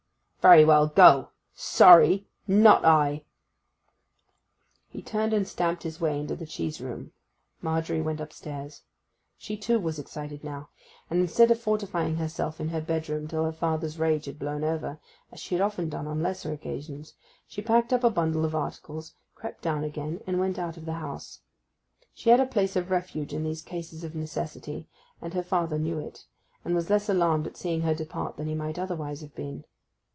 'Very well, go. Sorry—not I.' He turned and stamped his way into the cheese room. Margery went upstairs. She too was excited now, and instead of fortifying herself in her bedroom till her father's rage had blown over, as she had often done on lesser occasions, she packed up a bundle of articles, crept down again, and went out of the house. She had a place of refuge in these cases of necessity, and her father knew it, and was less alarmed at seeing her depart than he might otherwise have been.